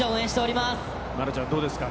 愛菜ちゃん、どうですか？